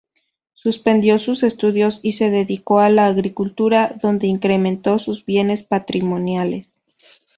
Suspendió sus estudios y se dedicó a la agricultura, donde incrementó sus bienes patrimoniales.